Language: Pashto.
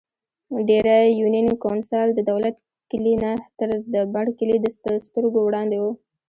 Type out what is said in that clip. ډېرۍ يونېن کونسل ددولت کلي نه تر د بڼ کلي دسترګو وړاندې وو ـ